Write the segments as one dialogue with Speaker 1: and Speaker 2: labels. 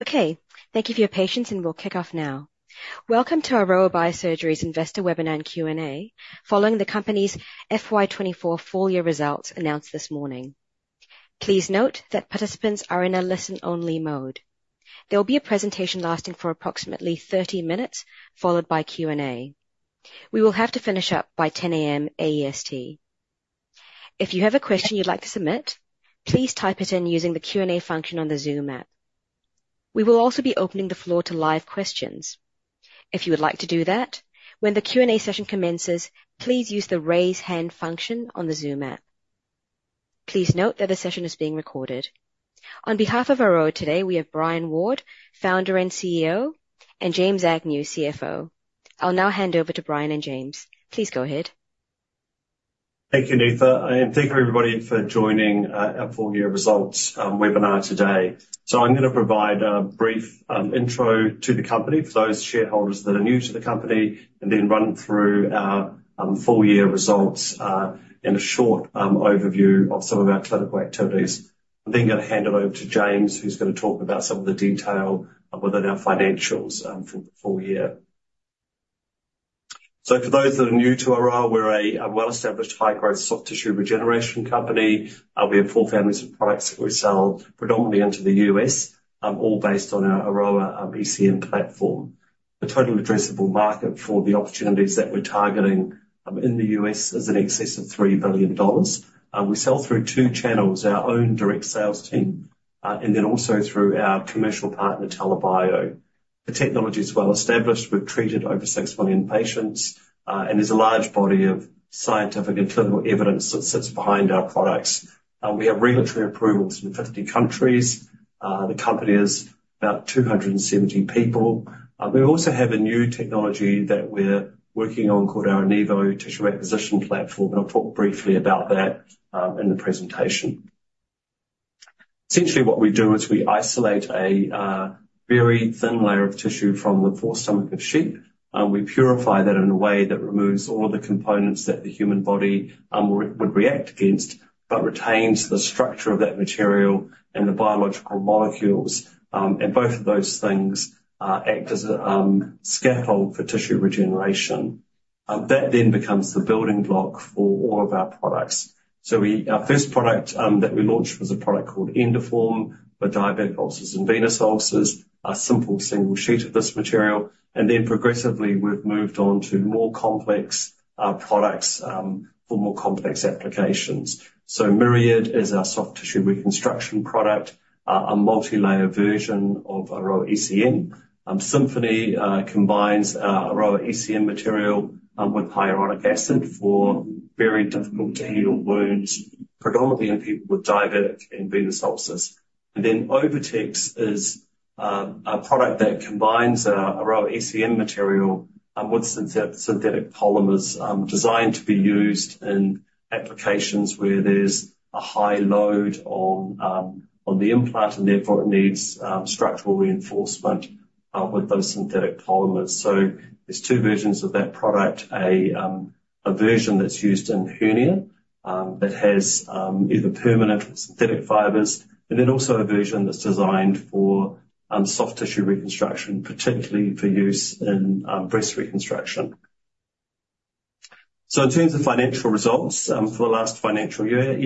Speaker 1: Okay, thank you for your patience, and we'll kick off now. Welcome to Aroa Biosurgery's Investor Webinar and Q&A, following the company's FY 2024 full year results announced this morning. Please note that participants are in a listen-only mode. There will be a presentation lasting for approximately 30 minutes, followed by Q&A. We will have to finish up by 10:00 A.M. AEST. If you have a question you'd like to submit, please type it in using the Q&A function on the Zoom app. We will also be opening the floor to live questions. If you would like to do that, when the Q&A session commences, please use the Raise Hand function on the Zoom app. Please note that the session is being recorded. On behalf of Aroa today, we have Brian Ward, Founder and CEO, and James Agnew, CFO. I'll now hand over to Brian and James. Please go ahead.
Speaker 2: Thank you, Neetha, and thank you, everybody, for joining our full-year results webinar today. I'm gonna provide a brief intro to the company for those shareholders that are new to the company, and then run through our full-year results and a short overview of some of our clinical activities. I'm then gonna hand it over to James, who's gonna talk about some of the detail within our financials for the full year. For those that are new to Aroa, we're a well-established, high-growth soft tissue regeneration company. We have four families of products that we sell predominantly into the U.S., all based on our Aroa ECM platform. The total addressable market for the opportunities that we're targeting in the U.S. is in excess of $3 billion. We sell through two channels, our own direct sales team, and then also through our commercial partner, TELA Bio. The technology is well established. We've treated over 6 million patients, and there's a large body of scientific and clinical evidence that sits behind our products. We have regulatory approvals in 50 countries. The company is about 270 people. We also have a new technology that we're working on called our Enivo Tissue Acquisition Platform, and I'll talk briefly about that, in the presentation. Essentially, what we do is we isolate a, very thin layer of tissue from the fourth stomach of sheep. We purify that in a way that removes all of the components that the human body would react against, but retains the structure of that material and the biological molecules, and both of those things act as a scaffold for tissue regeneration. That then becomes the building block for all of our products. So our first product that we launched was a product called Endoform for diabetic ulcers and venous ulcers, a simple single sheet of this material, and then progressively, we've moved on to more complex products for more complex applications. So Myriad is our soft tissue reconstruction product, a multilayer version of Aroa ECM. Symphony combines Aroa ECM material with hyaluronic acid for very difficult-to-heal wounds, predominantly in people with diabetic and venous ulcers. OviTex is a product that combines Aroa ECM material with synthetic polymers designed to be used in applications where there's a high load on the implant, and therefore it needs structural reinforcement with those synthetic polymers. There's two versions of that product, a version that's used in hernia that has either permanent or synthetic fibers, and then also a version that's designed for soft tissue reconstruction, particularly for use in breast reconstruction. In terms of financial results for the last financial year,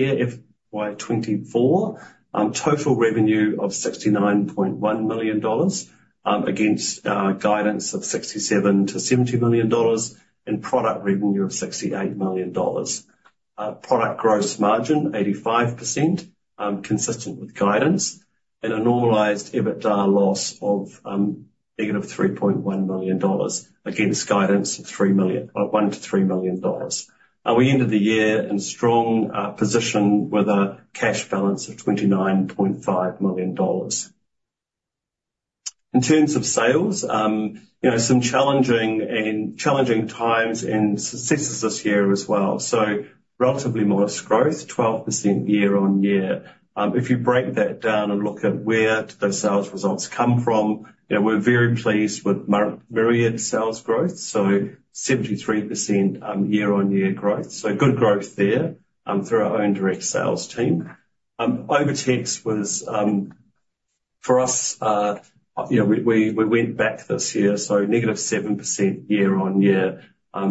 Speaker 2: FY 2024, total revenue of $69.1 million against guidance of $67 million-$70 million, and product revenue of $68 million. Product gross margin 85%, consistent with guidance, and a normalized EBITDA loss of negative $3.1 million against guidance of $3 million, $1 million-$3 million. We ended the year in strong position with a cash balance of $29.5 million. In terms of sales, you know, some challenging times and successes this year as well, so relatively modest growth, 12% year-on-year. If you break that down and look at where those sales results come from, you know, we're very pleased with Myriad sales growth, so 73% year-on-year growth. So good growth there, through our own direct sales team. OviTex was, for us, you know, we went back this year, so negative 7% year-on-year.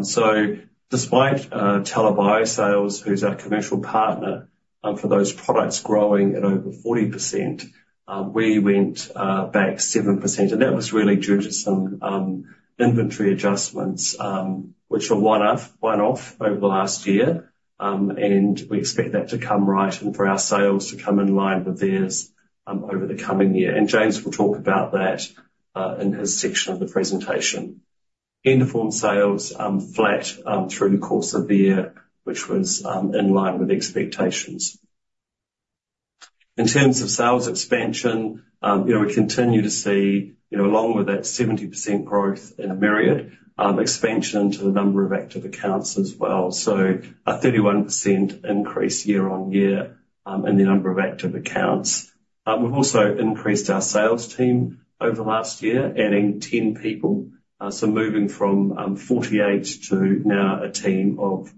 Speaker 2: So despite TELA Bio sales, who's our commercial partner, for those products growing at over 40%, we went back 7%, and that was really due to some inventory adjustments, which were one-off over the last year. And we expect that to come right and for our sales to come in line with theirs, over the coming year, and James will talk about that in his section of the presentation. Endoform sales flat through the course of the year, which was in line with expectations. In terms of sales expansion, you know, we continue to see, you know, along with that 70% growth in Myriad, expansion to the number of active accounts as well, so a 31% increase year-on-year in the number of active accounts. We've also increased our sales team over the last year, adding 10 people, so moving from 48 to now a team of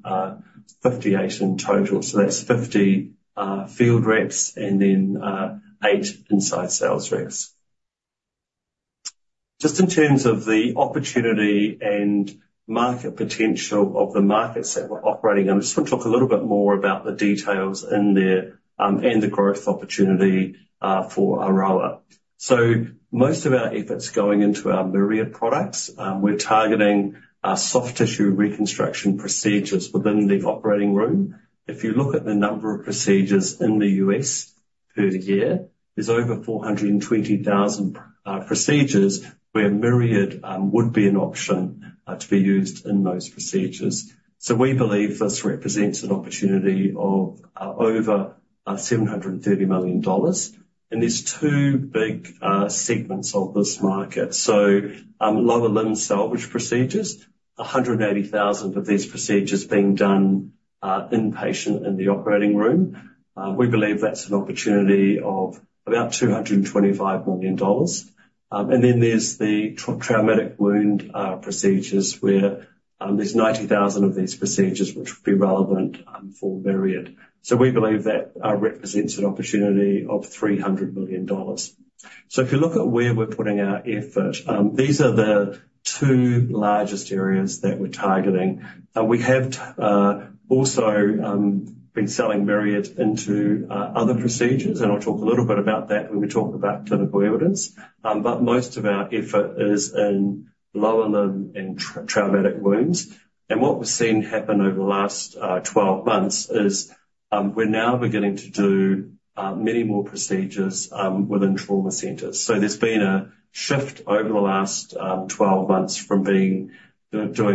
Speaker 2: 58 in total. So that's 50 field reps, and then 8 inside sales reps. Just in terms of the opportunity and market potential of the markets that we're operating in, I just wanna talk a little bit more about the details in there, and the growth opportunity for Aroa. So most of our effort's going into our Myriad products. We're targeting soft tissue reconstruction procedures within the operating room. If you look at the number of procedures in the U.S. per year, there's over 420,000 procedures where Myriad would be an option to be used in those procedures. So we believe this represents an opportunity of over $730 million, and there's two big segments of this market. So lower limb salvage procedures, 180,000 of these procedures being done inpatient in the operating room. We believe that's an opportunity of about $225 million. And then there's the traumatic wound procedures, where there's 90,000 of these procedures which would be relevant for Myriad, so we believe that represents an opportunity of $300 million. So if you look at where we're putting our effort, these are the two largest areas that we're targeting. We have also been selling Myriad into other procedures, and I'll talk a little bit about that when we talk about clinical evidence. But most of our effort is in lower limb and traumatic wounds, and what we've seen happen over the last 12 months is, we're now beginning to do many more procedures within trauma centers. So there's been a shift over the last 12 months from doing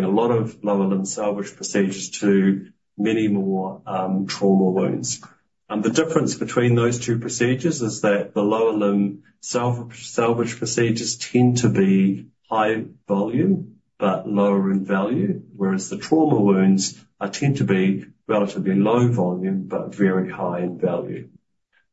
Speaker 2: a lot of lower limb salvage procedures to many more trauma wounds. The difference between those two procedures is that the lower limb salvage procedures tend to be high volume, but lower in value, whereas the trauma wounds tend to be relatively low volume, but very high in value.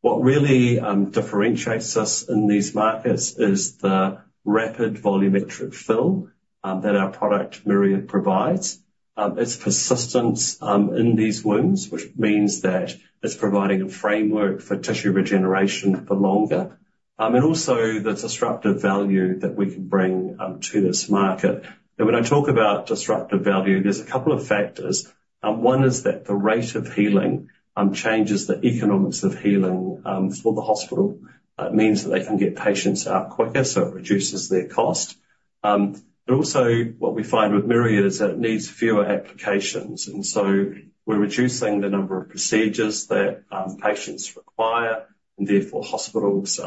Speaker 2: What really differentiates us in these markets is the rapid volumetric fill that our product, Myriad, provides, its persistence in these wounds, which means that it's providing a framework for tissue regeneration for longer, and also the disruptive value that we can bring to this market. And when I talk about disruptive value, there's a couple of factors. One is that the rate of healing changes the economics of healing for the hospital. It means that they can get patients out quicker, so it reduces their cost. But also what we find with Myriad is that it needs fewer applications, and so we're reducing the number of procedures that patients require, and therefore hospitals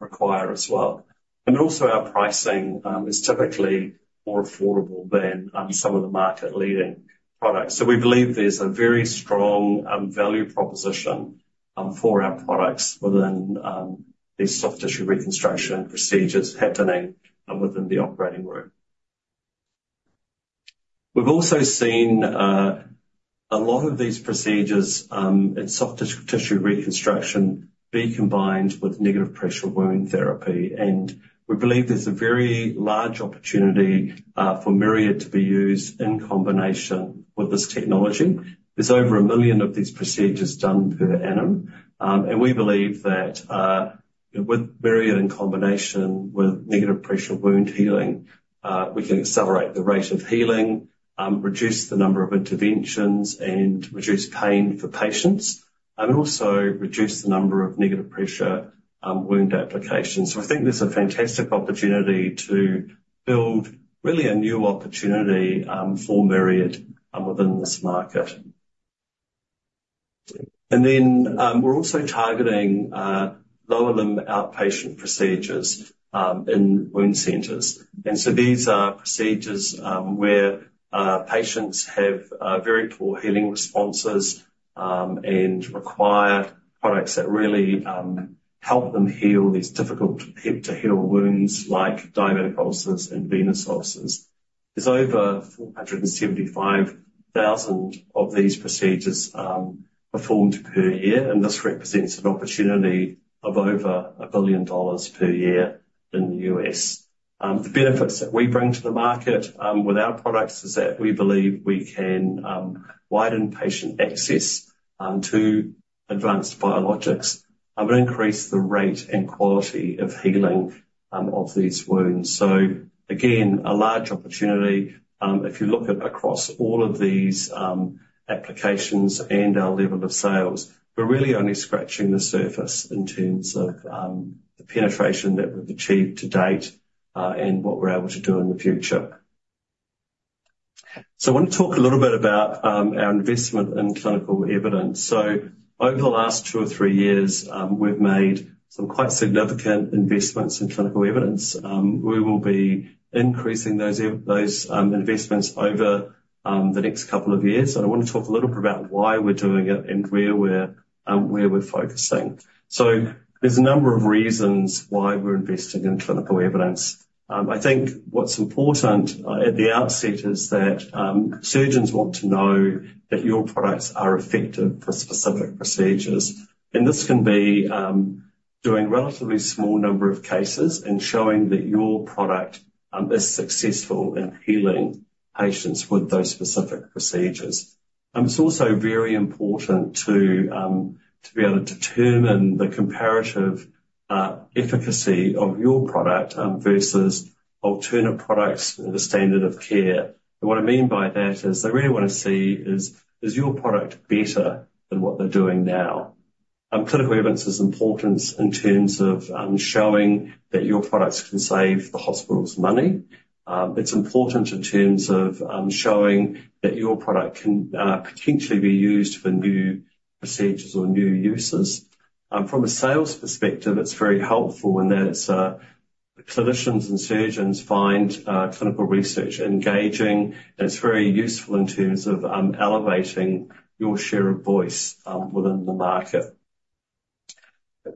Speaker 2: require as well. And also, our pricing is typically more affordable than some of the market-leading products. So we believe there's a very strong value proposition for our products within these soft tissue reconstruction procedures happening within the operating room. We've also seen a lot of these procedures in soft tissue reconstruction be combined with negative pressure wound therapy, and we believe there's a very large opportunity for Myriad to be used in combination with this technology. There's over 1 million of these procedures done per annum, and we believe that with Myriad in combination with negative pressure wound healing we can accelerate the rate of healing, reduce the number of interventions, and reduce pain for patients, and also reduce the number of negative pressure wound applications. So I think there's a fantastic opportunity to build really a new opportunity for Myriad within this market. And then, we're also targeting lower limb outpatient procedures in wound centers, and so these are procedures where patients have very poor healing responses and require products that really help them heal these difficult to heal wounds like diabetic ulcers and venous ulcers. There's over 475,000 of these procedures performed per year, and this represents an opportunity of over $1 billion per year in the U.S. The benefits that we bring to the market with our products is that we believe we can widen patient access to advanced biologics and increase the rate and quality of healing of these wounds. So again, a large opportunity. If you look at across all of these, applications and our level of sales, we're really only scratching the surface in terms of, the penetration that we've achieved to date, and what we're able to do in the future. So I want to talk a little bit about, our investment in clinical evidence. So over the last two or three years, we've made some quite significant investments in clinical evidence. We will be increasing those investments over, the next couple of years, and I want to talk a little bit about why we're doing it and where we're focusing. So there's a number of reasons why we're investing in clinical evidence. I think what's important at the outset is that surgeons want to know that your products are effective for specific procedures, and this can be doing relatively small number of cases and showing that your product is successful in healing patients with those specific procedures. It's also very important to be able to determine the comparative efficacy of your product versus alternate products or the standard of care. And what I mean by that is they really wanna see is your product better than what they're doing now? Clinical evidence is important in terms of showing that your products can save the hospitals money. It's important in terms of showing that your product can potentially be used for new procedures or new uses. From a sales perspective, it's very helpful in that it's clinicians and surgeons find clinical research engaging, and it's very useful in terms of elevating your share of voice within the market.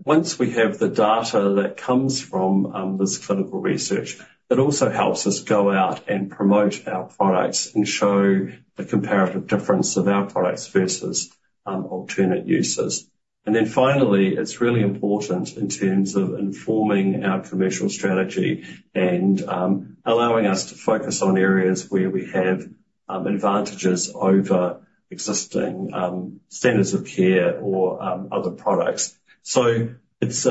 Speaker 2: Once we have the data that comes from this clinical research, it also helps us go out and promote our products and show the comparative difference of our products versus alternate uses. And then finally, it's really important in terms of informing our commercial strategy and allowing us to focus on areas where we have advantages over existing standards of care or other products. So it's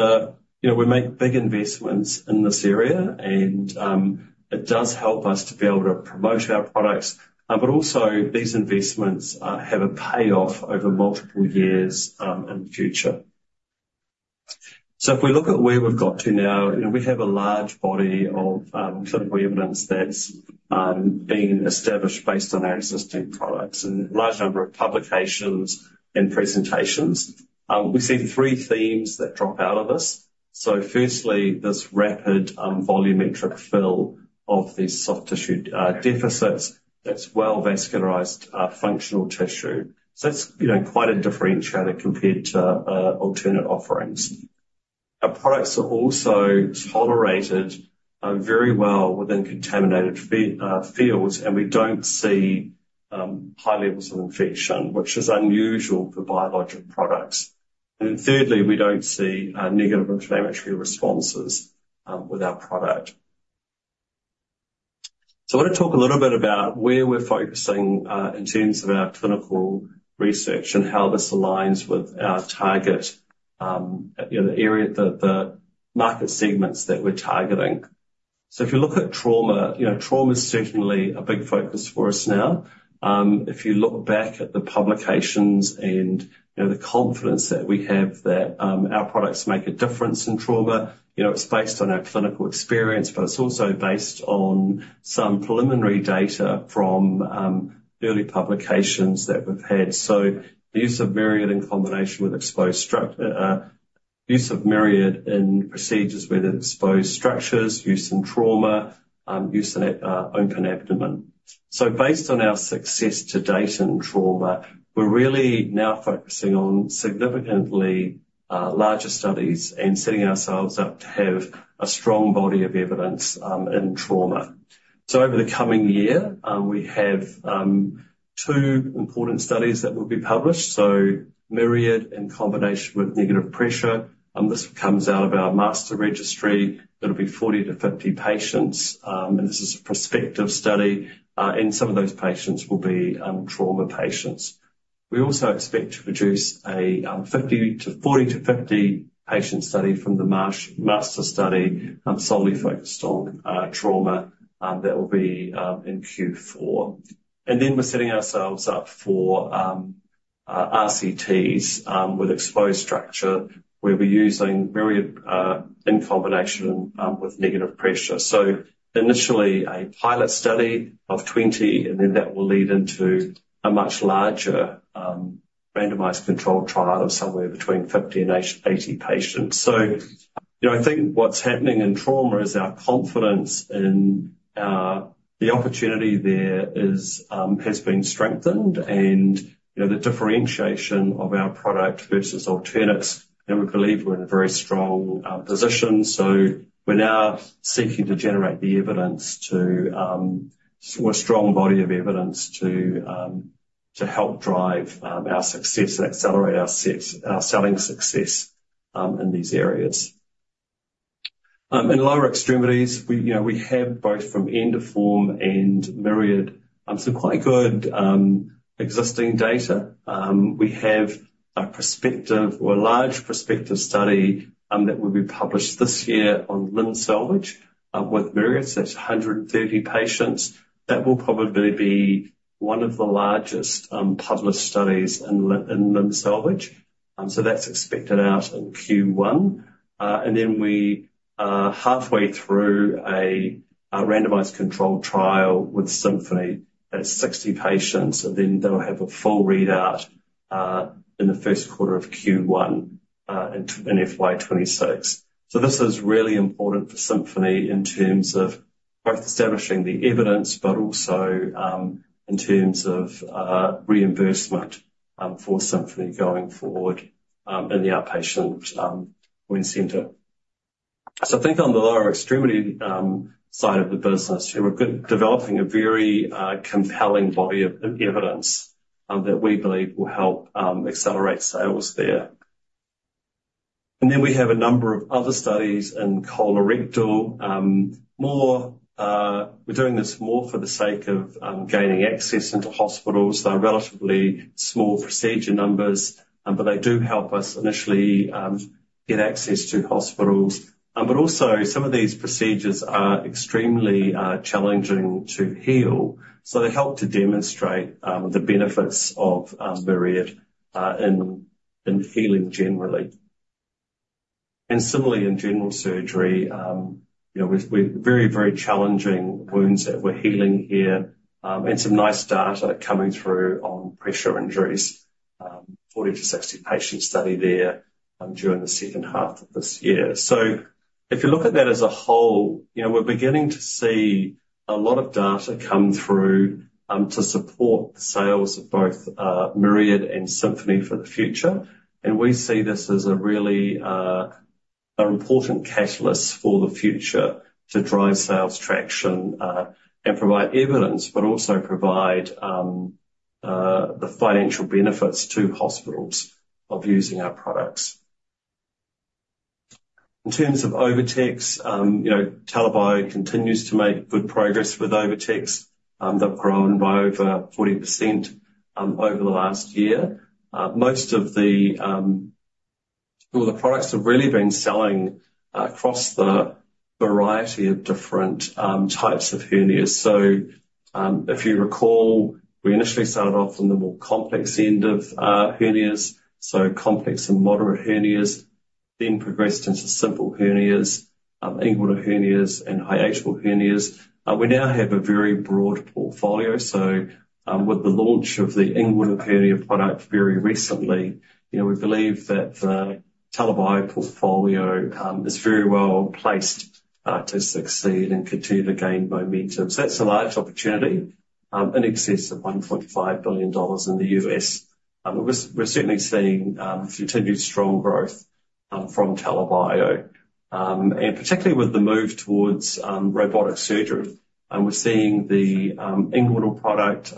Speaker 2: you know, we make big investments in this area, and it does help us to be able to promote our products. But also, these investments have a payoff over multiple years in the future. So if we look at where we've got to now, you know, we have a large body of, clinical evidence that's, been established based on our existing products, and a large number of publications and presentations. We see three themes that drop out of this. So firstly, this rapid, volumetric fill of these soft tissue, deficits that's well vascularized, functional tissue. So that's, you know, quite a differentiator compared to, alternate offerings. Our products are also tolerated, very well within contaminated fields, and we don't see, high levels of infection, which is unusual for biologic products. And then thirdly, we don't see, negative inflammatory responses, with our product. So I want to talk a little bit about where we're focusing, in terms of our clinical research and how this aligns with our target, you know, the area, the market segments that we're targeting. So if you look at trauma, you know, trauma is certainly a big focus for us now. If you look back at the publications and, you know, the confidence that we have that, our products make a difference in trauma, you know, it's based on our clinical experience, but it's also based on some preliminary data from, early publications that we've had. So the use of Myriad in combination with exposed structures, use of Myriad in procedures where there's exposed structures, use in trauma, use in open abdomen. So based on our success to date in trauma, we're really now focusing on significantly larger studies and setting ourselves up to have a strong body of evidence in trauma. So over the coming year, we have two important studies that will be published, so Myriad in combination with negative pressure, this comes out of our master registry. It'll be 40-50 patients, and this is a prospective study, and some of those patients will be trauma patients. We also expect to produce a 40-50-patient study from the Marsh Master study, solely focused on trauma, that will be in Q4. And then we're setting ourselves up for RCTs with exposed structure, where we're using Myriad in combination with negative pressure. So initially a pilot study of 20, and then that will lead into a much larger, randomized controlled trial of somewhere between 50 and 80 patients. So, you know, I think what's happening in trauma is our confidence in the opportunity there is has been strengthened and, you know, the differentiation of our product versus alternatives, and we believe we're in a very strong position. So we're now seeking to generate the evidence to a strong body of evidence to help drive our success and accelerate our success, our selling success, in these areas. In lower extremities, we, you know, we have both from Endoform and Myriad, some quite good, existing data. We have a prospective or a large prospective study, that will be published this year on limb salvage. With Myriad, that's 130 patients. That will probably be one of the largest published studies in limb salvage. So that's expected out in Q1. And then we are halfway through a randomized controlled trial with Symphony at 60 patients, and then they'll have a full readout in the first quarter of Q1 in FY 2026. So this is really important for Symphony in terms of both establishing the evidence, but also in terms of reimbursement for Symphony going forward in the outpatient wound center. So I think on the lower extremity side of the business, we're good—developing a very compelling body of evidence that we believe will help accelerate sales there. And then we have a number of other studies in colorectal. We're doing this more for the sake of gaining access into hospitals. They're relatively small procedure numbers, but they do help us initially get access to hospitals. But also some of these procedures are extremely challenging to heal, so they help to demonstrate the benefits of Myriad in healing generally. And similarly in general surgery, you know, with very challenging wounds that we're healing here, and some nice data coming through on pressure injuries. A 40-60 patient study there during the second half of this year. So if you look at that as a whole, you know, we're beginning to see a lot of data come through to support the sales of both Myriad and Symphony for the future. We see this as a really, an important catalyst for the future to drive sales traction, and provide evidence, but also provide the financial benefits to hospitals of using our products. In terms of OviTex, you know, TELA continues to make good progress with OviTex. They've grown by over 40% over the last year. Most of the... Well, the products have really been selling across the variety of different types of hernias. So, if you recall, we initially started off on the more complex end of hernias, so complex and moderate hernias, then progressed into simple hernias, inguinal hernias, and hiatal hernias. We now have a very broad portfolio, so, with the launch of the inguinal hernia product very recently, you know, we believe that the TELA portfolio is very well placed to succeed and continue to gain momentum. So that's a large opportunity in excess of $1.5 billion in the U.S. We're certainly seeing continued strong growth from TELA. And particularly with the move towards robotic surgery, and we're seeing the inguinal product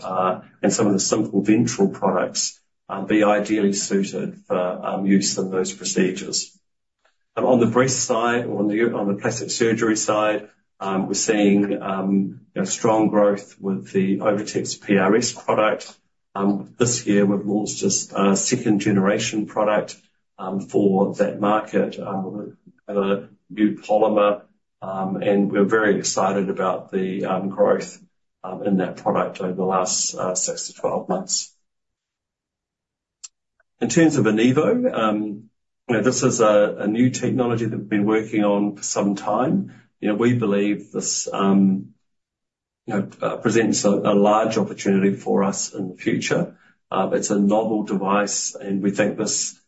Speaker 2: and some of the simple ventral products be ideally suited for use in those procedures. On the breast side, or on the plastic surgery side, we're seeing, you know, strong growth with the OviTex PRS product. This year, we've launched a second generation product for that market with a new polymer, and we're very excited about the growth in that product over the last 6-12 months. In terms of Enivo, you know, this is a new technology that we've been working on for some time. You know, we believe this presents a large opportunity for us in the future. It's a novel device, and we think this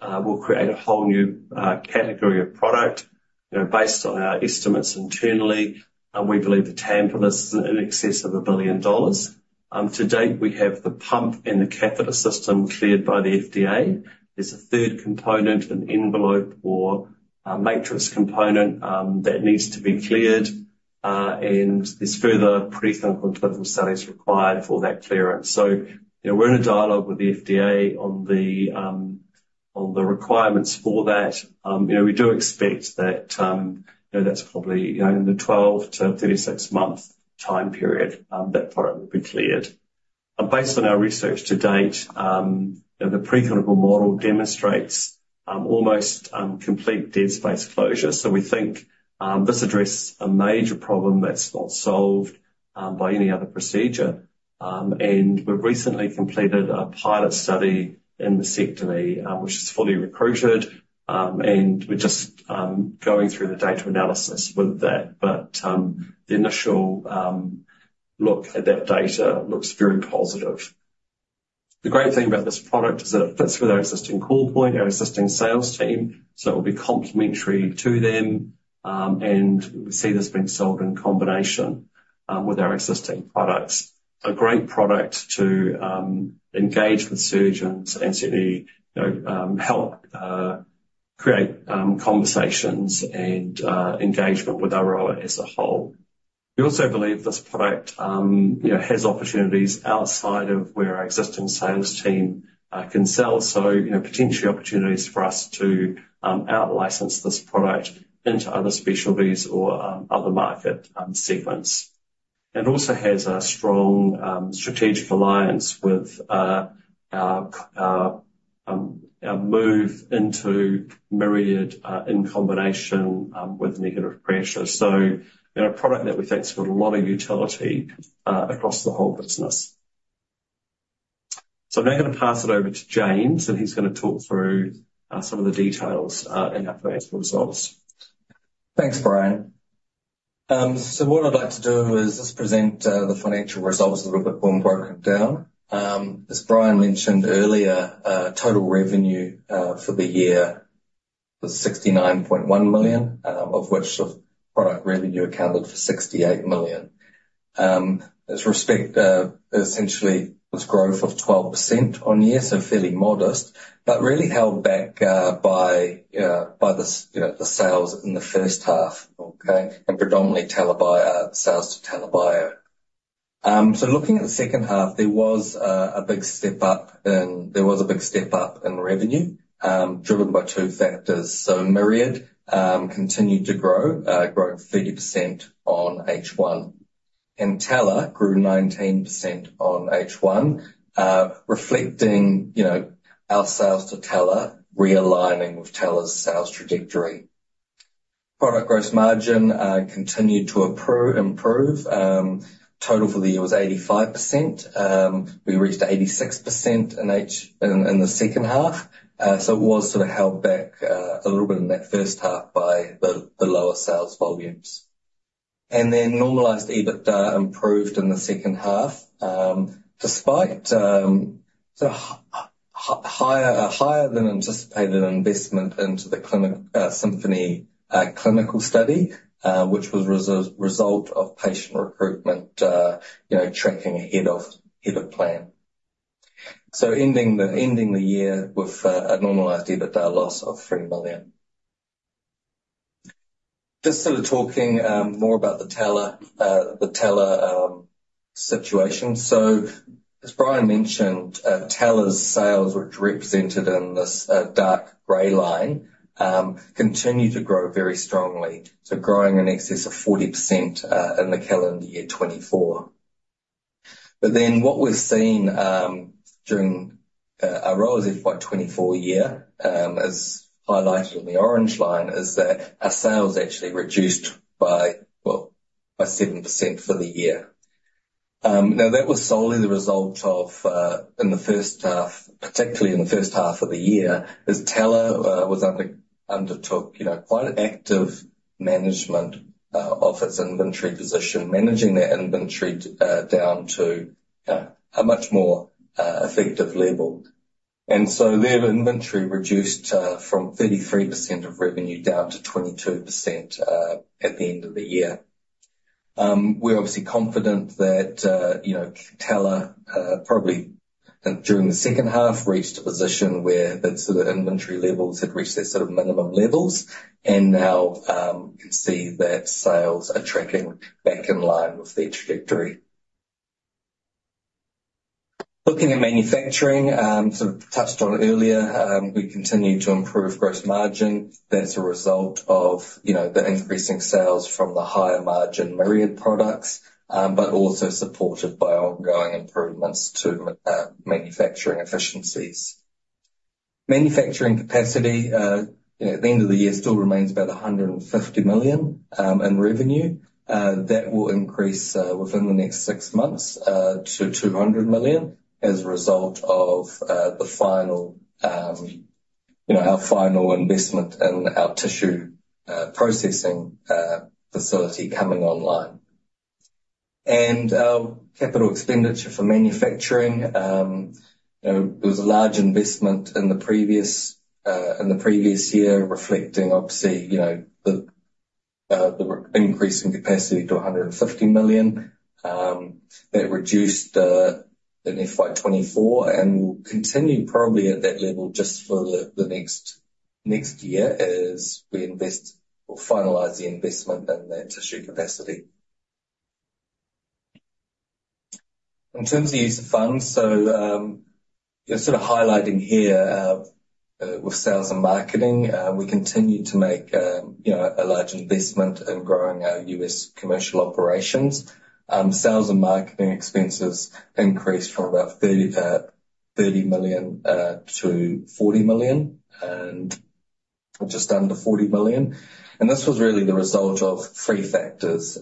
Speaker 2: will create a whole new category of product. You know, based on our estimates internally, we believe the TAM for this is in excess of $1 billion. To date, we have the pump and the catheter system cleared by the FDA. There's a third component, an envelope or a matrix component, that needs to be cleared, and there's further preclinical clinical studies required for that clearance. So, you know, we're in a dialogue with the FDA on the, on the requirements for that. You know, we do expect that, you know, that's probably, you know, in the 12-36 month time period, that product will be cleared. Based on our research to date, you know, the preclinical model demonstrates, almost, complete dead space closure. So we think, this addresses a major problem that's not solved, by any other procedure. And we've recently completed a pilot study in mastectomy, which is fully recruited, and we're just, going through the data analysis with that. But, the initial, look at that data looks very positive. The great thing about this product is that it fits with our existing call point, our existing sales team, so it will be complementary to them. And we see this being sold in combination with our existing products. A great product to engage with surgeons and certainly, you know, help create conversations and engagement with Aroa as a whole. We also believe this product, you know, has opportunities outside of where our existing sales team can sell, so, you know, potentially opportunities for us to out-license this product into other specialties or other market segments. It also has a strong strategic alliance with our move into Myriad in combination with negative pressure. So, you know, a product that we think has got a lot of utility across the whole business. So I'm now gonna pass it over to James, and he's gonna talk through some of the details in our financial results.
Speaker 3: Thanks, Brian. So what I'd like to do is just present the financial results of the book when broken down. As Brian mentioned earlier, total revenue for the year was 69.1 million, of which product revenue accounted for 68 million. In respect, essentially was growth of 12% on year, so fairly modest, but really held back by you know, the sales in the first half, okay? And predominantly TELA Bio sales to TELA Bio. So looking at the second half, there was a big step up in, there was a big step up in revenue, driven by two factors. Myriad continued to grow, growing 30% on H1, and TELA grew 19% on H1, reflecting, you know, our sales to TELA realigning with TELA's sales trajectory. Product gross margin continued to improve. Total for the year was 85%. We reached 86% in the second half. So it was sort of held back a little bit in that first half by the lower sales volumes. Normalized EBITDA improved in the second half, despite the higher than anticipated investment into the clinical Symphony clinical study, which was a result of patient recruitment, you know, tracking ahead of plan. So ending the year with a normalized EBITDA loss of 3 million. Just sort of talking more about the TELA situation. So, as Brian mentioned, TELA's sales, which are represented in this dark gray line, continued to grow very strongly. So growing in excess of 40% in the calendar year 2024. But then what we've seen during our FY 2024 year, as highlighted in the orange line, is that our sales actually reduced by, well, by 7% for the year. Now, that was solely the result of in the first half, particularly in the first half of the year, TELA undertook, you know, quite active management of its inventory position, managing that inventory down to a much more effective level. And so their inventory reduced from 33% of revenue down to 22% at the end of the year. We're obviously confident that, you know, TELA probably during the second half, reached a position where the sort of inventory levels had reached their sort of minimum levels and now can see that sales are tracking back in line with their trajectory. Looking at manufacturing, sort of touched on it earlier, we continued to improve gross margin. That's a result of, you know, the increasing sales from the higher margin Myriad products, but also supported by ongoing improvements to manufacturing efficiencies. Manufacturing capacity, you know, at the end of the year, still remains about 150 million in revenue. That will increase within the next six months to 200 million as a result of the final, you know, our final investment in our tissue processing facility coming online. Capital expenditure for manufacturing, you know, there was a large investment in the previous year, reflecting obviously, you know, the increase in capacity to 150 million. That reduced in FY 2024 and will continue probably at that level just for the next year, as we invest or finalize the investment in that tissue capacity. In terms of use of funds, you know, sort of highlighting here with sales and marketing, we continue to make, you know, a large investment in growing our U.S. commercial operations. Sales and marketing expenses increased from about 30 million to 40 million, and just under 40 million. And this was really the result of three factors.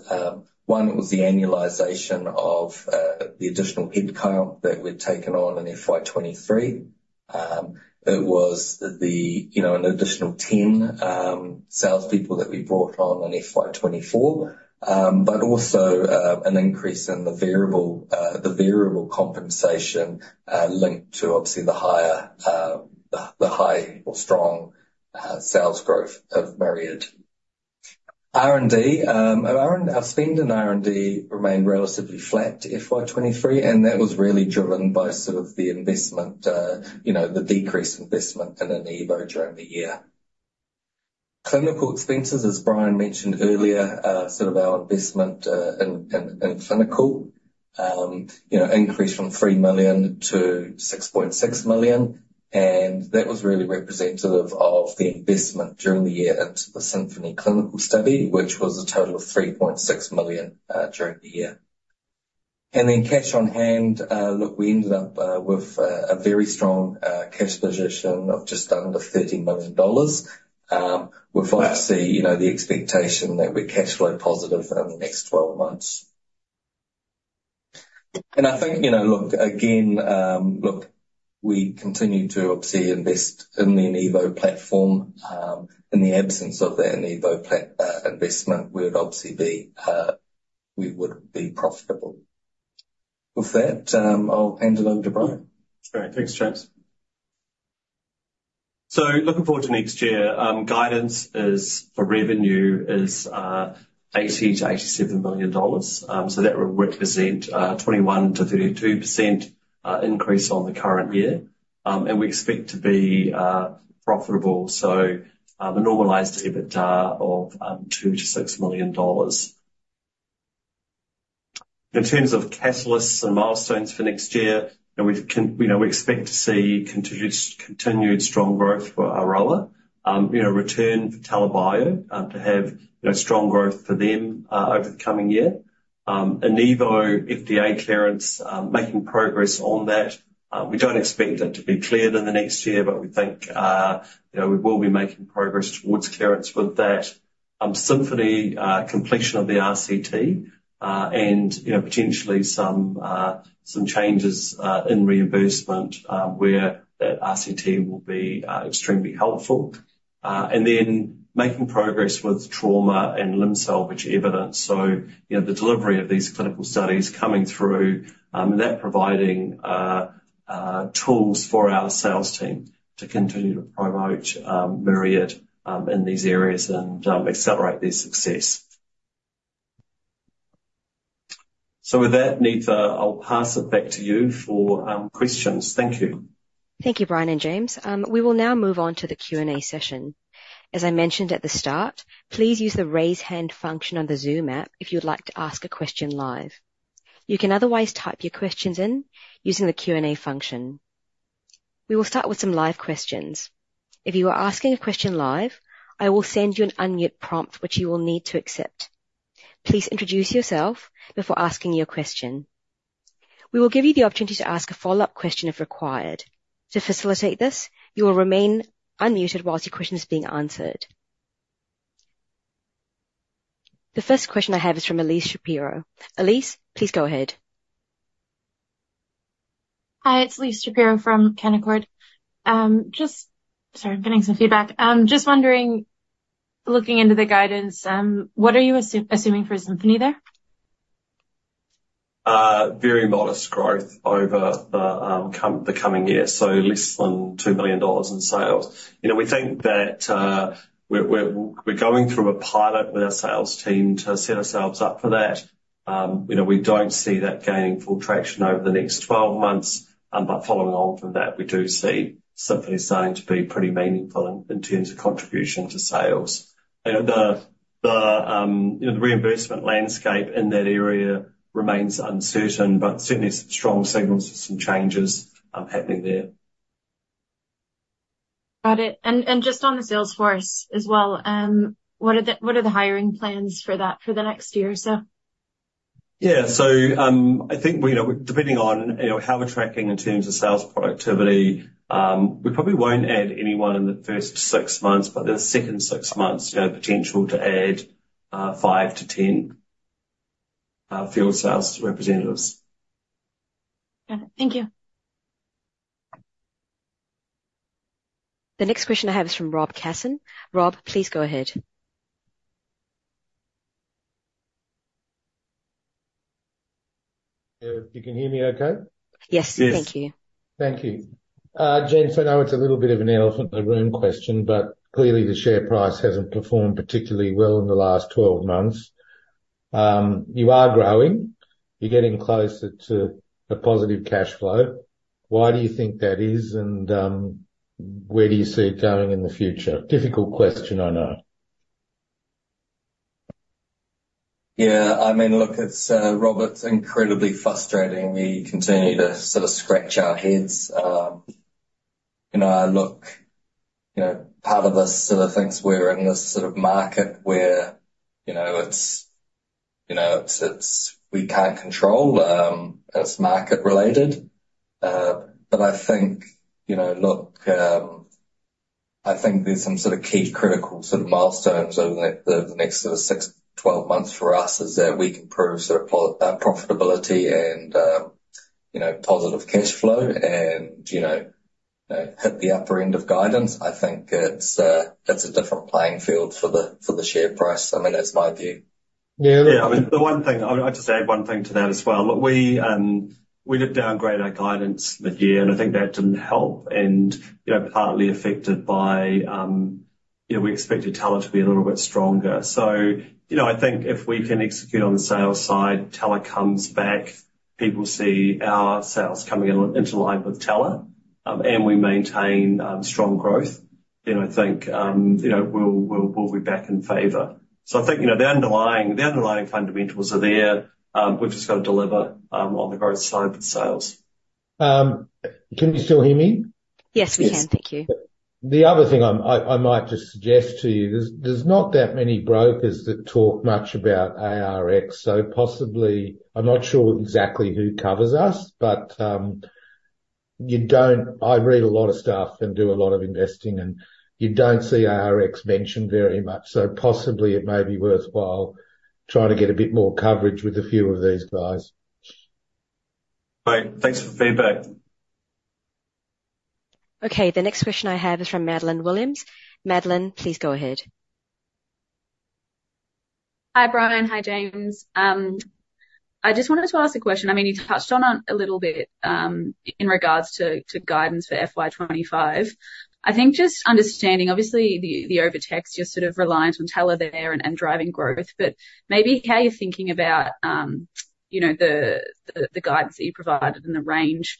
Speaker 3: One was the annualization of the additional head count that we'd taken on in FY 2023. It was, you know, an additional 10 salespeople that we brought on in FY 2024, but also an increase in the variable compensation linked to obviously the higher or strong sales growth of Myriad. R&D, our spend in R&D remained relatively flat to FY 2023, and that was really driven by sort of the investment, you know, the decreased investment in Enivo during the year. Clinical expenses, as Brian mentioned earlier, sort of our investment in clinical, you know, increased from $3 million to $6.6 million, and that was really representative of the investment during the year into the Symphony clinical study, which was a total of $3.6 million during the year. And then cash on hand, look, we ended up with a very strong cash position of just under $13 million dollars. With obviously, you know, the expectation that we're cash flow positive in the next 12 months. And I think, you know, look, again, look, we continue to obviously invest in the Enivo platform. In the absence of that Enivo investment, we would obviously be, we would be profitable. With that, I'll hand it over to Brian.
Speaker 2: Great. Thanks, James. ... So looking forward to next year, guidance is for revenue $80 million-$87 million. So that would represent a 21%-32% increase on the current year. And we expect to be profitable, so the normalized EBITDA of $2 million-$6 million. In terms of catalysts and milestones for next year, you know, we expect to see continued strong growth for Aroa. You know, return for TELA Bio to have, you know, strong growth for them over the coming year. Enivo, FDA clearance, making progress on that. We don't expect it to be cleared in the next year, but we think, you know, we will be making progress towards clearance with that. Symphony, completion of the RCT, and, you know, potentially some, some changes, in reimbursement, where that RCT will be, extremely helpful. And then making progress with trauma and limb salvage evidence. So, you know, the delivery of these clinical studies coming through, and that providing, tools for our sales team to continue to promote, Myriad, in these areas and, accelerate their success. So with that, Neetha, I'll pass it back to you for, questions. Thank you.
Speaker 1: Thank you, Brian and James. We will now move on to the Q&A session. As I mentioned at the start, please use the raise hand function on the Zoom app if you would like to ask a question live. You can otherwise type your questions in using the Q&A function. We will start with some live questions. If you are asking a question live, I will send you an unmute prompt, which you will need to accept. Please introduce yourself before asking your question. We will give you the opportunity to ask a follow-up question if required. To facilitate this, you will remain unmuted whilst your question is being answered. The first question I have is from Elyse Shapiro. Elyse, please go ahead.
Speaker 4: Hi, it's Elyse Shapiro from Canaccord. Just... Sorry, I'm getting some feedback. Just wondering, looking into the guidance, what are you assuming for Symphony there?
Speaker 2: Very modest growth over the coming year, so less than $2 million in sales. You know, we think that we're going through a pilot with our sales team to set ourselves up for that. You know, we don't see that gaining full traction over the next 12 months. But following on from that, we do see Symphony starting to be pretty meaningful in terms of contribution to sales. You know, the reimbursement landscape in that area remains uncertain, but certainly some strong signals of some changes happening there.
Speaker 4: Got it. And just on the sales force as well, what are the hiring plans for that for the next year or so?
Speaker 2: Yeah. So, I think, we know, depending on, you know, how we're tracking in terms of sales productivity, we probably won't add anyone in the first six months, but the second six months, you know, potential to add 5-10 field sales representatives.
Speaker 4: Got it. Thank you.
Speaker 1: The next question I have is from Rob Casson. Rob, please go ahead.
Speaker 5: Yeah. You can hear me okay?
Speaker 1: Yes.
Speaker 2: Yes.
Speaker 1: Thank you.
Speaker 5: Thank you. James, I know it's a little bit of an elephant in the room question, but clearly the share price hasn't performed particularly well in the last 12 months. You are growing, you're getting closer to a positive cashflow. Why do you think that is, and where do you see it going in the future? Difficult question, I know.
Speaker 3: Yeah, I mean, look, it's, Robert, it's incredibly frustrating. We continue to sort of scratch our heads. You know, I look, you know, part of us sort of thinks we're in this sort of market where, you know, it's, you know, it's, it's we can't control, it's market related. But I think, you know, look, I think there's some sort of key critical sort of milestones over the, the next sort of 6-12 months for us, is that we can prove sort of pro- profitability and, you know, positive cashflow and, you know, hit the upper end of guidance. I think it's, it's a different playing field for the, for the share price. I mean, that's my view.
Speaker 5: Yeah-
Speaker 2: Yeah, I mean, the one thing... I'd just add one thing to that as well. We did downgrade our guidance mid-year, and I think that didn't help, and, you know, partly affected by, you know, we expected TELA to be a little bit stronger. So, you know, I think if we can execute on the sales side, TELA comes back, people see our sales coming into line with TELA, and we maintain strong growth, then I think, you know, we'll be back in favor. So I think, you know, the underlying fundamentals are there. We've just got to deliver on the growth side with sales.
Speaker 5: Can you still hear me?
Speaker 1: Yes, we can.
Speaker 2: Yes.
Speaker 1: Thank you.
Speaker 5: The other thing I might just suggest to you, there's not that many brokers that talk much about ARX, so possibly, I'm not sure exactly who covers us, but you don't—I read a lot of stuff and do a lot of investing, and you don't see ARX mentioned very much, so possibly it may be worthwhile trying to get a bit more coverage with a few of these guys.
Speaker 2: Great. Thanks for the feedback.
Speaker 1: Okay, the next question I have is from Madeleine Williams. Madeleine, please go ahead....
Speaker 6: Hi, Brian. Hi, James. I just wanted to ask a question. I mean, you touched on it a little bit, in regards to guidance for FY 2025. I think just understanding, obviously, the OviTex, your sort of reliance on TELA there and driving growth, but maybe how you're thinking about, you know, the guidance that you provided and the range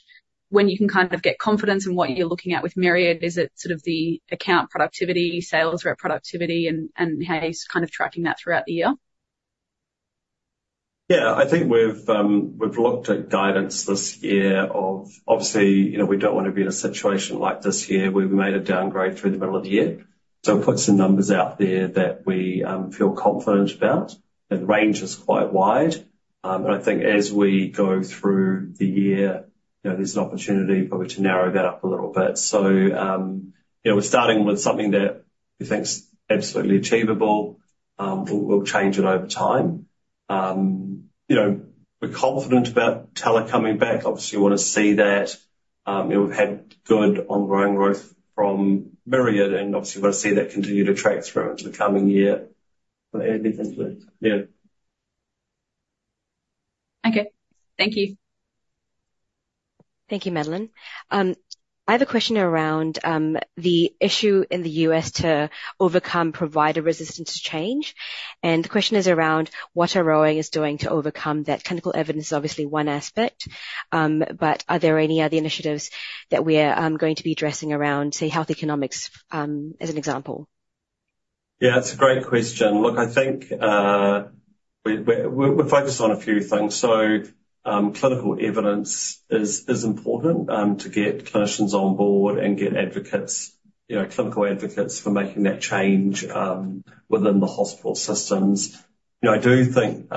Speaker 6: when you can kind of get confidence in what you're looking at with Myriad. Is it sort of the account productivity, sales rep productivity, and how you're kind of tracking that throughout the year?
Speaker 2: Yeah, I think we've looked at guidance this year of obviously, you know, we don't want to be in a situation like this year, where we made a downgrade through the middle of the year. So put some numbers out there that we feel confident about. The range is quite wide, and I think as we go through the year, you know, there's an opportunity probably to narrow that up a little bit. So, you know, we're starting with something that we think is absolutely achievable. We'll change it over time. You know, we're confident about TELA coming back. Obviously, we want to see that. You know, we've had good ongoing growth from Myriad, and obviously, we want to see that continue to track through into the coming year. But anything to add? Yeah.
Speaker 6: Okay. Thank you.
Speaker 1: Thank you, Madeleine. I have a question around the issue in the U.S. to overcome provider resistance to change, and the question is around what Aroa is doing to overcome that. Clinical evidence is obviously one aspect, but are there any other initiatives that we are going to be addressing around, say, health economics, as an example?
Speaker 2: Yeah, it's a great question. Look, I think we're focused on a few things. So, clinical evidence is important to get clinicians on board and get advocates, you know, clinical advocates for making that change within the hospital systems. You know, I do think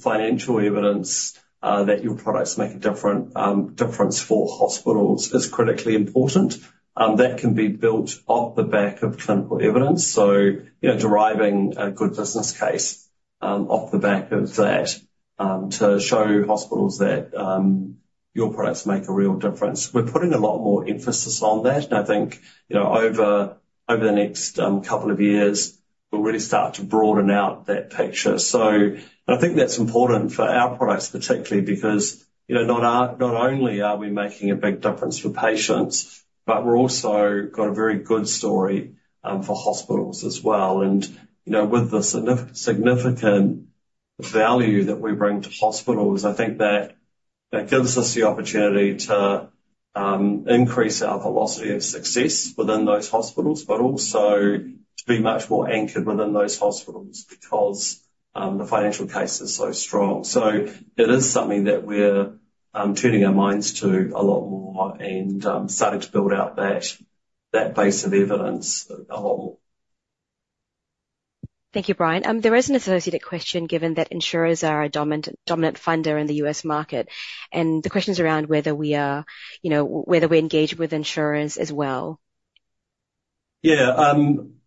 Speaker 2: financial evidence that your products make a difference for hospitals is critically important. That can be built off the back of clinical evidence, so, you know, deriving a good business case off the back of that to show hospitals that your products make a real difference. We're putting a lot more emphasis on that, and I think, you know, over the next couple of years, we'll really start to broaden out that picture. So I think that's important for our products, particularly because, you know, not only are we making a big difference for patients, but we're also got a very good story for hospitals as well. And, you know, with the significant value that we bring to hospitals, I think that gives us the opportunity to increase our velocity of success within those hospitals, but also to be much more anchored within those hospitals because the financial case is so strong. So it is something that we're turning our minds to a lot more and starting to build out that base of evidence a lot more.
Speaker 1: Thank you, Brian. There is an associated question, given that insurers are a dominant, dominant funder in the U.S. market, and the question is around whether we are, you know, whether we engage with insurers as well.
Speaker 2: Yeah,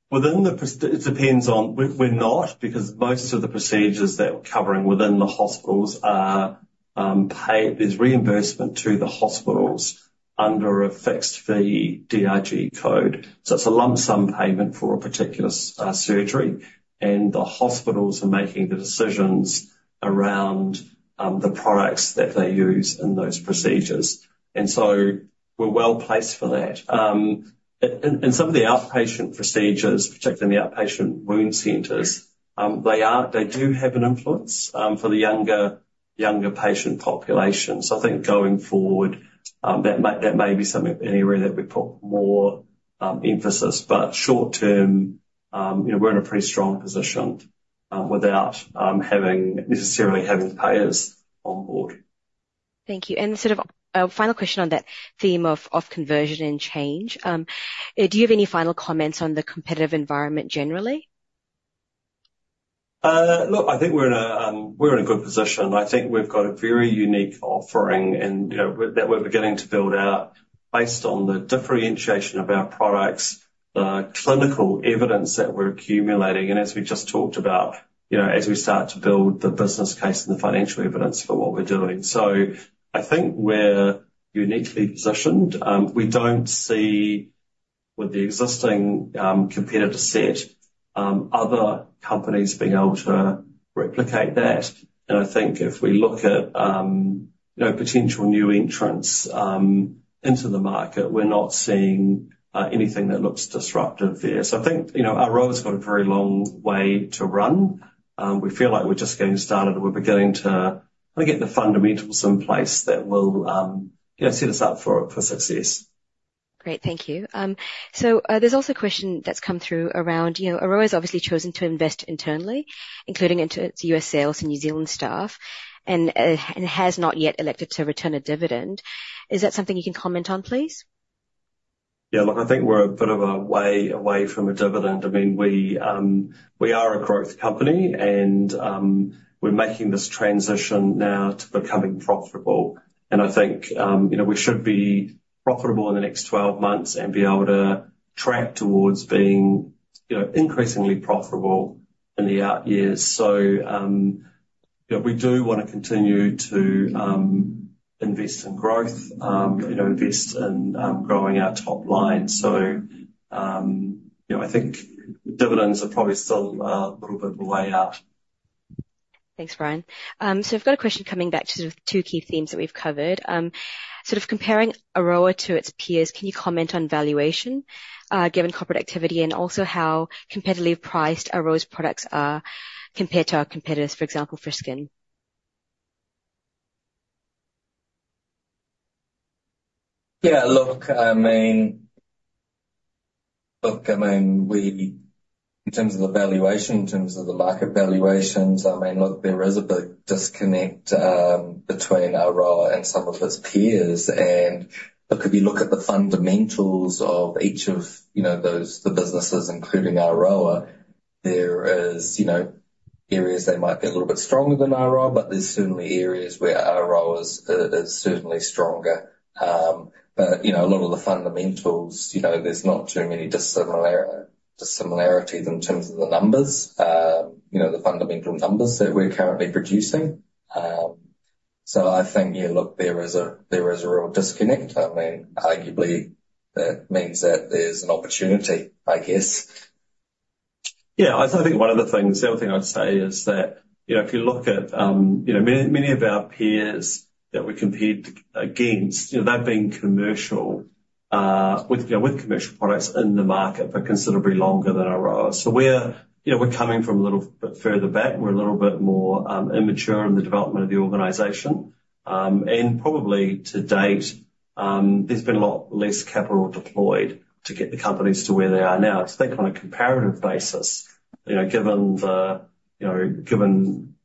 Speaker 2: within the procedure it depends on... We're not, because most of the procedures that we're covering within the hospitals are paid, there's reimbursement to the hospitals under a fixed fee DRG code. So it's a lump sum payment for a particular surgery, and the hospitals are making the decisions around the products that they use in those procedures, and so we're well placed for that. In some of the outpatient procedures, particularly in the outpatient wound centers, they do have an influence for the younger patient population. So I think going forward, that may be something, an area that we put more emphasis. But short term, you know, we're in a pretty strong position without necessarily having payers on board.
Speaker 1: Thank you. And sort of a final question on that theme of conversion and change. Do you have any final comments on the competitive environment generally?
Speaker 2: Look, I think we're in a, we're in a good position. I think we've got a very unique offering, and, you know, that we're beginning to build out based on the differentiation of our products, the clinical evidence that we're accumulating, and as we just talked about, you know, as we start to build the business case and the financial evidence for what we're doing. So I think we're uniquely positioned. We don't see, with the existing, competitor set, other companies being able to replicate that. And I think if we look at, you know, potential new entrants, into the market, we're not seeing, anything that looks disruptive there. So I think, you know, Aroa's got a very long way to run. We feel like we're just getting started, and we're beginning to kind of get the fundamentals in place that will, you know, set us up for, for success.
Speaker 1: Great. Thank you. So, there's also a question that's come through around, you know, Aroa's obviously chosen to invest internally, including into its U.S. sales and New Zealand staff, and has not yet elected to return a dividend. Is that something you can comment on, please?
Speaker 2: Yeah, look, I think we're a bit of a way away from a dividend. I mean, we, we are a growth company, and, we're making this transition now to becoming profitable. And I think, you know, we should be profitable in the next 12 months and be able to track towards being, you know, increasingly profitable in the out years. So,... Yeah, we do wanna continue to invest in growth, you know, invest in growing our top line. So, you know, I think dividends are probably still a little bit of a way out.
Speaker 1: Thanks, Brian. So I've got a question coming back to the two key themes that we've covered. Sort of comparing Aroa to its peers, can you comment on valuation, given corporate activity, and also how competitively priced Aroa's products are compared to our competitors, for example, fish skin?
Speaker 3: Yeah, look, I mean, look, I mean, we in terms of the valuation, in terms of the market valuations, I mean, look, there is a big disconnect between Aroa and some of its peers. And look, if you look at the fundamentals of each of, you know, those, the businesses, including Aroa, there is, you know, areas they might be a little bit stronger than Aroa, but there's certainly areas where Aroa is certainly stronger. But, you know, a lot of the fundamentals, you know, there's not too many dissimilarities in terms of the numbers, you know, the fundamental numbers that we're currently producing. So I think, yeah, look, there is a real disconnect. I mean, arguably, that means that there's an opportunity, I guess.
Speaker 2: Yeah, I think one of the things, the other thing I'd say is that, you know, if you look at, you know, many, many of our peers that we're compared against, you know, they've been commercial with, you know, with commercial products in the market for considerably longer than Aroa. So we're, you know, we're coming from a little bit further back. We're a little bit more immature in the development of the organization. And probably to date, there's been a lot less capital deployed to get the companies to where they are now. I think on a comparative basis, you know, given the, you know, given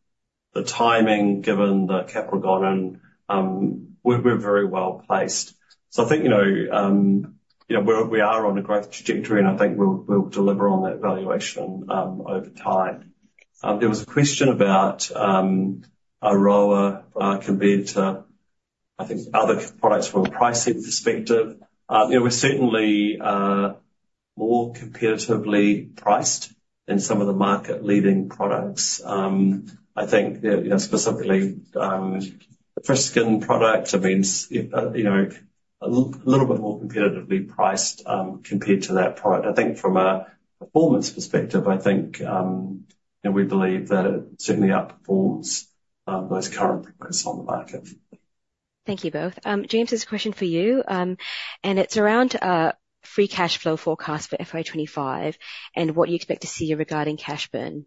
Speaker 2: the timing, given the capital gone in, we're very well placed. So I think, you know, you know, we're, we are on a growth trajectory, and I think we'll, we'll deliver on that valuation, over time. There was a question about, Aroa, compared to, I think, other products from a pricing perspective. You know, we're certainly, more competitively priced than some of the market-leading products. I think, you know, specifically, the fish skin product, I mean, you know, a little bit more competitively priced, compared to that product. I think from a performance perspective, I think, you know, we believe that it certainly outperforms, those current products on the market.
Speaker 1: Thank you, both. James, this is a question for you, and it's around free cash flow forecast for FY 2025 and what you expect to see regarding cash burn.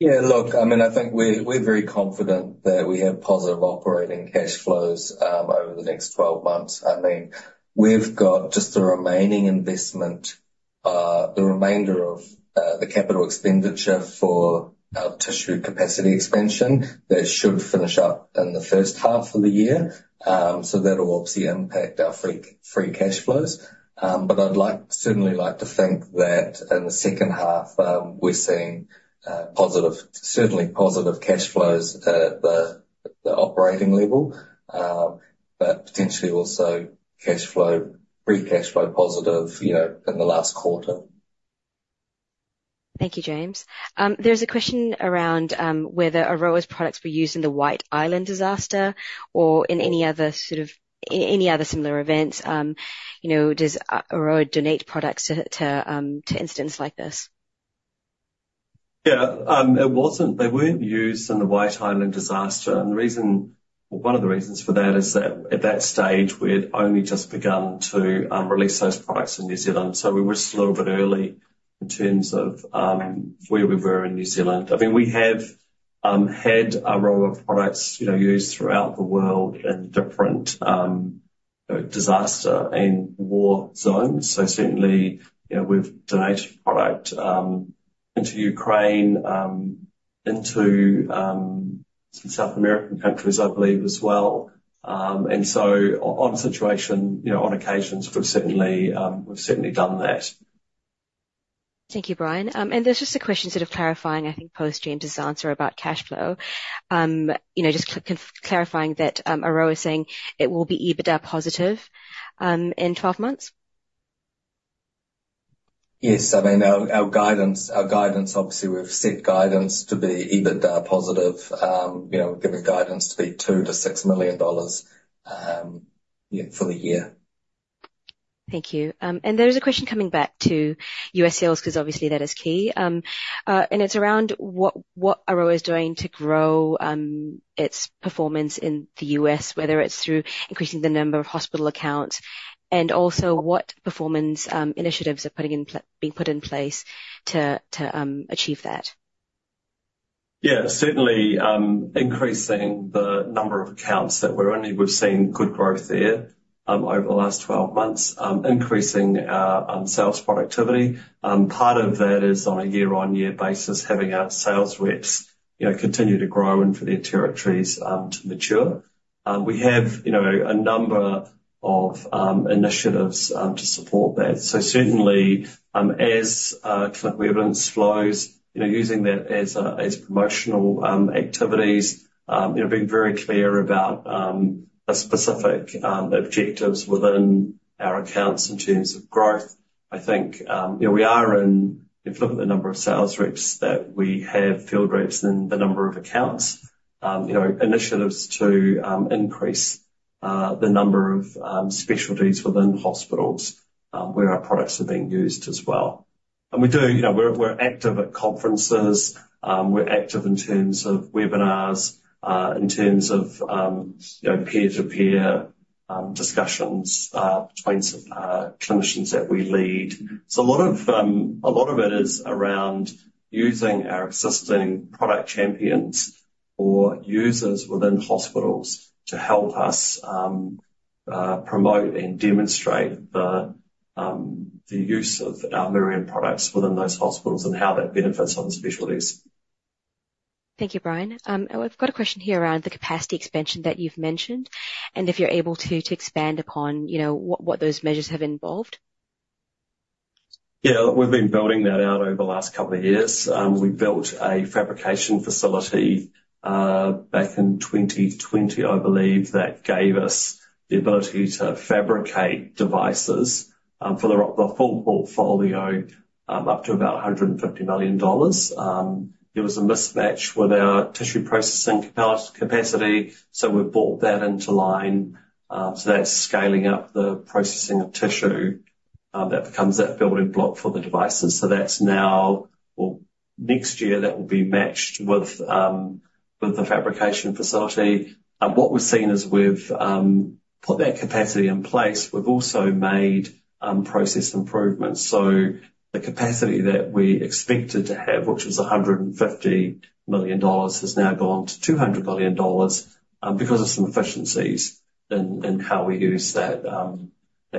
Speaker 3: Yeah, look, I mean, I think we're very confident that we have positive operating cash flows over the next 12 months. I mean, we've got just the remaining investment, the remainder of the capital expenditure for our tissue capacity expansion. That should finish up in the first half of the year. So that will obviously impact our free cash flows. But I'd certainly like to think that in the second half, we're seeing positive, certainly positive cash flows at the operating level, but potentially also free cash flow positive, you know, in the last quarter.
Speaker 1: Thank you, James. There's a question around whether Aroa's products were used in the White Island disaster or in any other sort of any other similar events. You know, does Aroa donate products to incidents like this?
Speaker 2: Yeah. It wasn't, they weren't used in the White Island disaster. And the reason, or one of the reasons for that, is that at that stage, we had only just begun to release those products in New Zealand. So we were just a little bit early in terms of where we were in New Zealand. I mean, we have had Aroa products, you know, used throughout the world in different disaster and war zones. So certainly, you know, we've donated product into Ukraine, into some South American countries, I believe, as well. And so, you know, on occasions, we've certainly done that.
Speaker 1: Thank you, Brian. There's just a question sort of clarifying, I think, post James's answer about cash flow. You know, just clarifying that Aroa is saying it will be EBITDA positive in 12 months?
Speaker 3: Yes. I mean, our guidance, obviously, we've set guidance to be EBITDA positive. You know, we've given guidance to be $2 million-$6 million for the year.
Speaker 1: Thank you. There is a question coming back to U.S. sales, because obviously that is key. It's around what Aroa is doing to grow its performance in the U.S., whether it's through increasing the number of hospital accounts, and also what performance initiatives are being put in place to achieve that.
Speaker 2: Yeah, certainly, increasing the number of accounts that we're in, we've seen good growth there, over the last 12 months. Increasing our sales productivity, part of that is on a year-on-year basis, having our sales reps, you know, continue to grow and for their territories to mature. We have, you know, a number of initiatives to support that. So certainly, as clinical evidence flows, you know, using that as promotional activities, you know, being very clear about the specific objectives within our accounts in terms of growth.... I think, you know, we are in, if you look at the number of sales reps that we have, field reps, and the number of accounts, you know, initiatives to increase the number of specialties within hospitals where our products are being used as well. And we do, you know, we're active at conferences, we're active in terms of webinars, in terms of, you know, peer-to-peer discussions between some clinicians that we lead. So a lot of it is around using our existing product champions or users within hospitals to help us promote and demonstrate the use of our Myriad products within those hospitals and how that benefits other specialties.
Speaker 1: Thank you, Brian. I've got a question here around the capacity expansion that you've mentioned, and if you're able to expand upon, you know, what those measures have involved?
Speaker 2: Yeah. We've been building that out over the last couple of years. We built a fabrication facility back in 2020, I believe, that gave us the ability to fabricate devices for the full portfolio up to about $150 million. There was a mismatch with our tissue processing capacity, so we brought that into line. So that's scaling up the processing of tissue that becomes that building block for the devices. So that's now... Well, next year, that will be matched with the fabrication facility. And what we've seen as we've put that capacity in place, we've also made process improvements. So the capacity that we expected to have, which was $150 million, has now gone to $200 million, because of some efficiencies in how we use that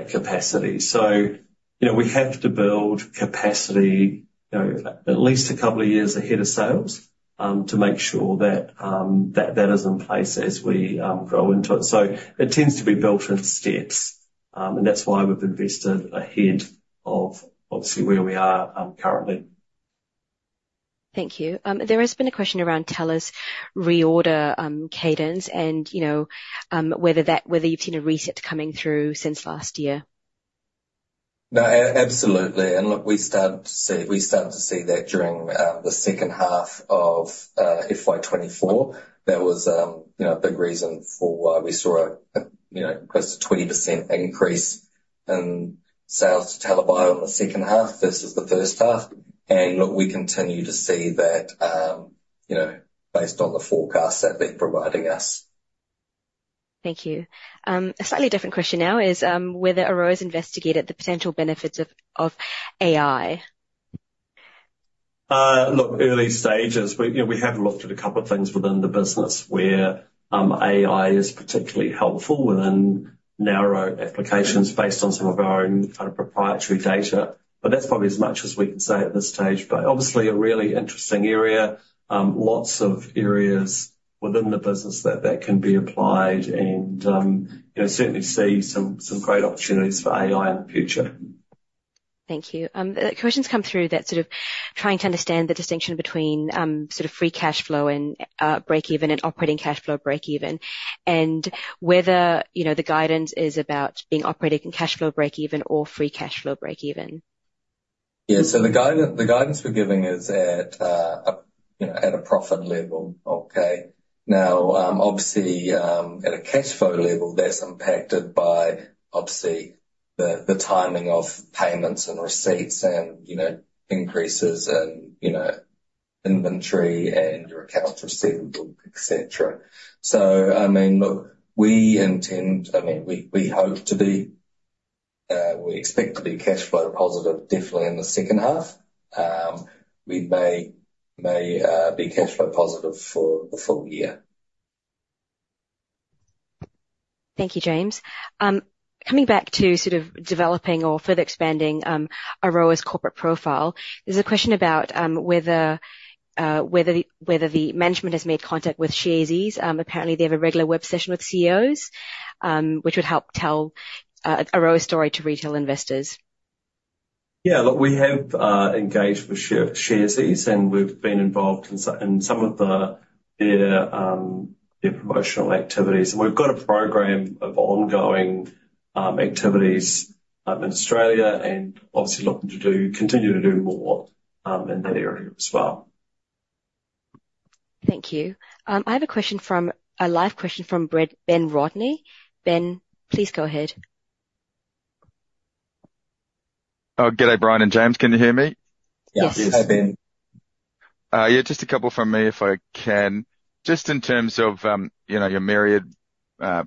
Speaker 2: capacity. So, you know, we have to build capacity, you know, at least a couple of years ahead of sales, to make sure that that is in place as we grow into it. So it tends to be built in steps, and that's why we've invested ahead of obviously where we are, currently.
Speaker 1: Thank you. There has been a question around TELA's reorder cadence and, you know, whether you've seen a reset coming through since last year.
Speaker 2: No, absolutely, and look, we started to see, we started to see that during the second half of FY 2024. That was, you know, a big reason for why we saw a, you know, close to 20% increase in sales to TELA Bio in the second half versus the first half. And look, we continue to see that, you know, based on the forecasts that they're providing us.
Speaker 1: Thank you. A slightly different question now is, whether Aroa's investigated the potential benefits of, of AI?
Speaker 2: Look, early stages, but, you know, we have looked at a couple of things within the business where AI is particularly helpful within narrow applications based on some of our own kind of proprietary data. But that's probably as much as we can say at this stage. But obviously a really interesting area. Lots of areas within the business that can be applied and, you know, certainly see some great opportunities for AI in the future.
Speaker 1: Thank you. A question's come through that's sort of trying to understand the distinction between, sort of free cash flow and breakeven and operating cash flow breakeven, and whether, you know, the guidance is about being operating and cash flow breakeven or free cash flow breakeven.
Speaker 3: Yeah. So the guidance, the guidance we're giving is at, a, you know, at a profit level, okay? Now, obviously, at a cash flow level, that's impacted by, obviously, the timing of payments and receipts and, you know, increases in, you know, inventory and your accounts receivable, et cetera. So I mean, look, we intend. I mean, we hope to be, we expect to be cash flow positive definitely in the second half. We may be cash flow positive for the full year.
Speaker 1: Thank you, James. Coming back to sort of developing or further expanding, Aroa's corporate profile, there's a question about whether the management has made contact with Sharesies. Apparently, they have a regular web session with CEOs, which would help tell Aroa's story to retail investors.
Speaker 2: Yeah. Look, we have engaged with Sharesies, and we've been involved in some of their promotional activities. And we've got a program of ongoing activities in Australia and obviously looking to continue to do more in that area as well.
Speaker 1: Thank you. I have a question from... a live question from Brad- Ben Rodney. Ben, please go ahead.
Speaker 7: Oh, g'day, Brian and James, can you hear me?
Speaker 2: Yes.
Speaker 1: Yes.
Speaker 2: Hi, Ben.
Speaker 7: Yeah, just a couple from me if I can. Just in terms of, you know, your Myriad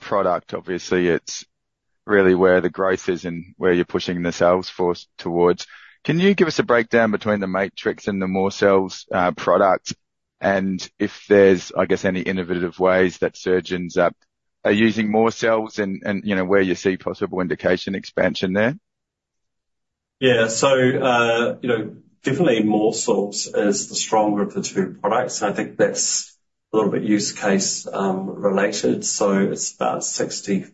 Speaker 7: product, obviously it's really where the growth is and where you're pushing the sales force towards. Can you give us a breakdown between the Matrix and the Morcells product? And if there's, I guess, any innovative ways that surgeons are using Morcells and, you know, where you see possible indication expansion there?
Speaker 2: Yeah. So, you know, definitely Morcells is the stronger of the two products, and I think that's a little bit use case related. So it's about 60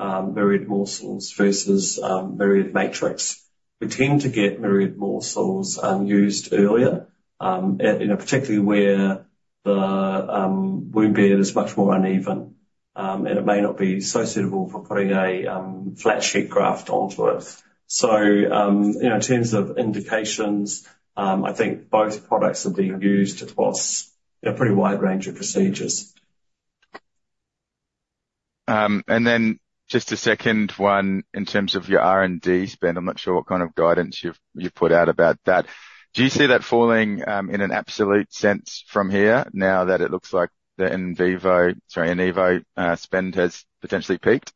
Speaker 2: Myriad Morcells versus Myriad Matrix. We tend to get Myriad Morcells used earlier, at you know, particularly where the wound bed is much more uneven... and it may not be so suitable for putting a flat sheet graft onto it. So, you know, in terms of indications, I think both products are being used across a pretty wide range of procedures.
Speaker 7: And then just a second one. In terms of your R&D spend, I'm not sure what kind of guidance you've put out about that. Do you see that falling in an absolute sense from here, now that it looks like the Enivo spend has potentially peaked?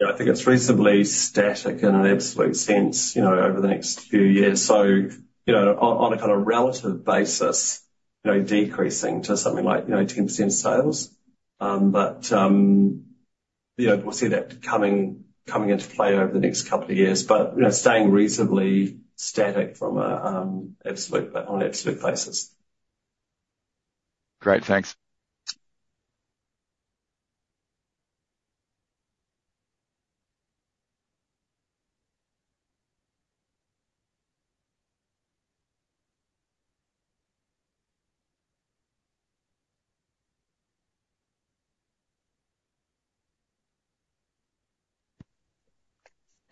Speaker 2: Yeah, I think it's reasonably static in an absolute sense, you know, over the next few years. So, you know, on a kind of relative basis, you know, decreasing to something like, you know, 10% sales. But, you know, we'll see that coming into play over the next couple of years, but, you know, staying reasonably static from an absolute, but on an absolute basis.
Speaker 7: Great. Thanks.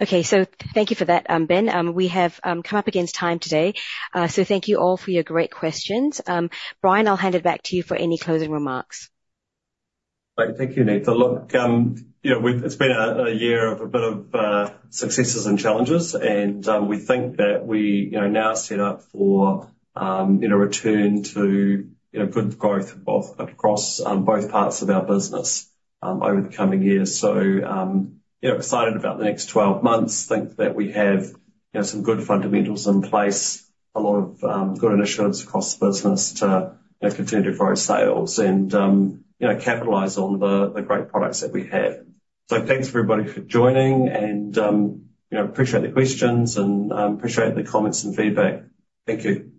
Speaker 1: Okay. So thank you for that, Ben. We have come up against time today, so thank you all for your great questions. Brian, I'll hand it back to you for any closing remarks.
Speaker 2: Great. Thank you, Anita. Look, you know, it's been a year of a bit of successes and challenges, and we think that we, you know, are now set up for you know, a return to you know, good growth both across both parts of our business over the coming years. So, yeah, excited about the next 12 months. Think that we have, you know, some good fundamentals in place, a lot of good initiatives across the business to you know, continue to grow our sales and you know, capitalize on the great products that we have. So thanks, everybody, for joining, and you know, appreciate the questions and appreciate the comments and feedback. Thank you.